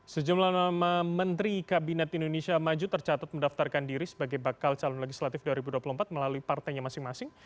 sejumlah nama menteri kabinet indonesia maju tercatat mendaftarkan diri sebagai bakal calon legislatif dua ribu dua puluh empat melalui partainya masing masing